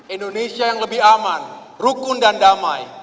indonesia yang lebih aman rukun dan damai